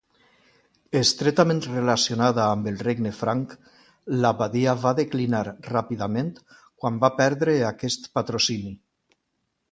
Estretament relacionada amb el regne Franc, l'abadia va declinar ràpidament quan va perdre aquest patrocini.